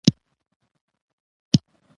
واکمنان یې د خلکو پر سر رانازل کړي دي.